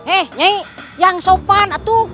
eh nyai yang sopan atuh